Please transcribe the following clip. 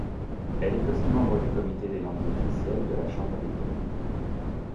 Elle est aussi membre du Comité des langues officielles de la Chambre des communes.